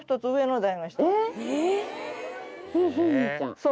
そう。